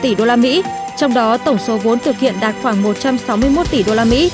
trong đó tổng số vốn thực hiện đạt khoảng một trăm sáu mươi một tỷ usd